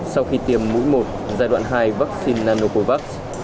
sau khi tiêm mũi một giai đoạn hai vaccine nanocovax